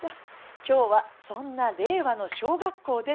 今日はそんな令和の小学校でのお話。